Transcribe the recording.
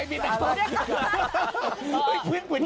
เรียกก่อนเรียกก่อน